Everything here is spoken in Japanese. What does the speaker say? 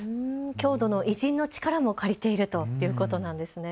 郷土の偉人の力も借りているということなんですね。